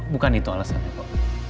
bukan itu alasannya